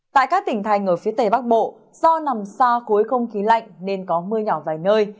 tại các tỉnh thành ở phía tây bắc bộ do nằm xa khối không khí lạnh nên có mưa nhỏ vài nơi